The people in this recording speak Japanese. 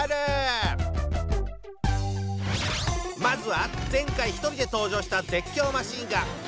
まずは前回１人で登場した絶叫マシンガン